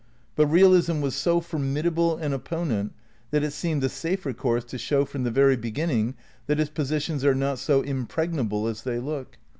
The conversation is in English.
But realism was so formidable an le™^ opponent that it seemed the safer course to show from the very beginning that its positions are not so impreg nable as they look.